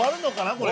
これ。